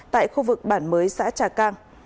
tại khu vực bản mới xã trà cang